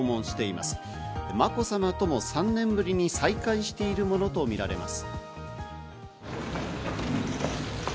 まこさまとも３年ぶりに再会しているものとみられます。